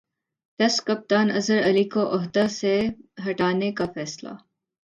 test کپتان اظہرعلی کو عہدہ سےہٹانےکا فیصلہ